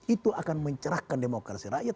itu akan mencerahkan demokrasi rakyat